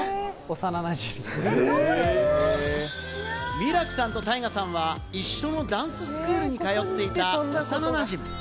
ミラクさんとタイガさんは、一緒のダンススクールに通っていた幼なじみ。